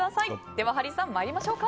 ではハリーさん、参りましょうか。